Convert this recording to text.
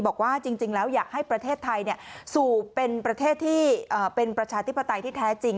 บอกว่าจริงแล้วอยากให้ประเทศไทยสู่เป็นประเทศที่เป็นประชาธิปไตยที่แท้จริง